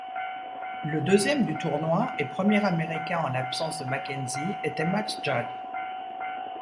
Le deuxième du tournoi, et premier américain en l'absence de Mackenzie, était Max Judd.